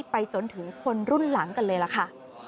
ไปจนถึงคนรุ่นหลังกันเลยล่ะค่ะ